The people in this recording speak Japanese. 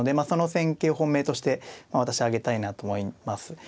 その戦型を本命として私挙げたいなと思います。